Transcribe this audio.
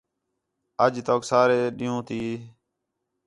اَج تَوک سارے ݙ، ین٘ہوں تی